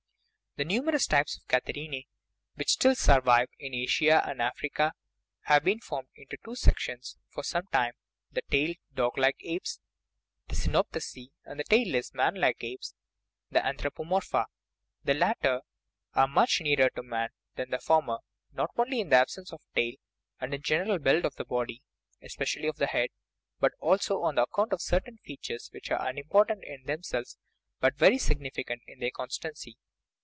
The numerous types of catarrhinae which still sur vive in Asia and Africa have been formed into two sec tions for some time the tailed, doglike apes (the cyno pitheci) and the tailless, manlike apes (the anthropo morpha). The latter are much nearer to man than the former, not only in the absence of a tail and in the gen eral build of the body (especially of the head), but also on account of certain features which are unimportant in themselves but very significant in their constancy.